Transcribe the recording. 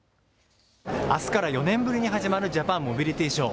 あすから４年ぶりに始まるジャパンモビリティショー。